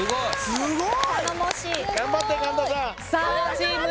すごい。